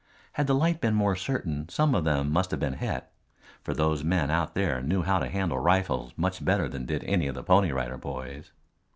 Had the light been more certain some of them must have been hit, for those men out there knew how to handle rifles much better than did any of the Pony Rider Boys.